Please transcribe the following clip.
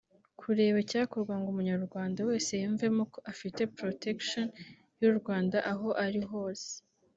Kureba icyakorwa ngo umunyarwanda wese yiyumvemo ko afite protection y’u Rwanda aho ari hose